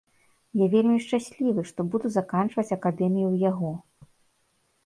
Я вельмі шчаслівы, што буду заканчваць акадэмію ў яго.